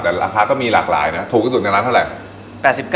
หัวค้าก็มีหลากหลายนะถุดจุดที่ร้านเท่าไร